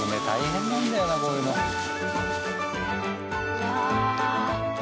うわ。